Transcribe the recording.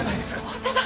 本当だ